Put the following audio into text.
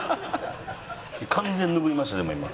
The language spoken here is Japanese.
完全に拭いましたでも今。